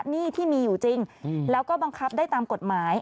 หนี้ที่มีอยู่จริงแล้วก็บังคับได้ตามกฎหมาย